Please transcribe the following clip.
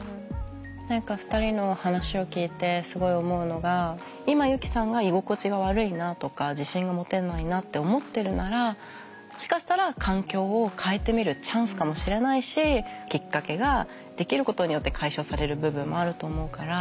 何か２人の話を聞いてすごい思うのが今ユキさんが居心地が悪いなとか自信が持てないなって思ってるならもしかしたら環境を変えてみるチャンスかもしれないしきっかけができることによって解消される部分もあると思うから。